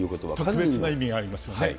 特別な意味がありますよね。